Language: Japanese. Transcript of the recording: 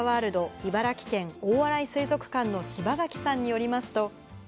茨城県大洗水族館の柴垣さんによりますと。